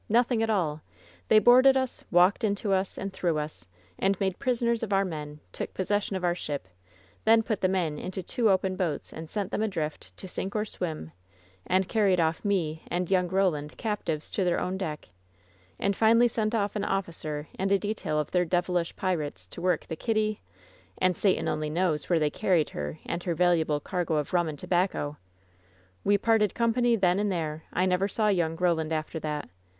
Noth ing at all ! They boarded us, walked into us and through us, and made prisoners of our men, took possession of our ship, then put the men into two open boats and sent them adrift, to sink or swim, carried off me and young Roland captives to their own deck, and finally sent off an oflScer and a detail of their devilish pirates to work the Kitty — and Satan only knows where they carried her and her valuable cargo of rum and tobacco ! We parted company then and there. I never saw young Roland •" after that.